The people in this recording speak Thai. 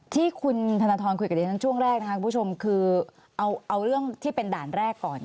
ที่คุณธนทรคุยกับดิฉันช่วงแรกนะครับคุณผู้ชมคือเอาเรื่องที่เป็นด่านแรกก่อน